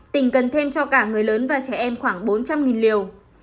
tỉnh cần thêm cho cả người lớn và trẻ em khoảng bốn trăm linh liều